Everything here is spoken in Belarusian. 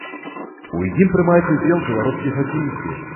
У ім прымаюць удзел беларускія хакеісты.